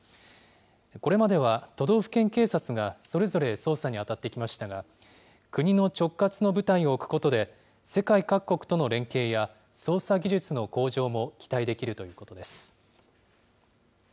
これまでは都道府県警察がそれぞれ捜査に当たってきましたが、国の直轄の部隊を置くことで、世界各国との連携や、捜査技術の向上も期待できるということです。